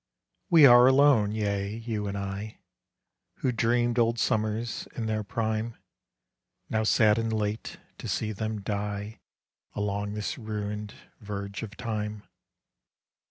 We are alone; yea, you and I, Who dreamed old summers in their prime; Now sad and late, to see them die Along this ruined verge of time.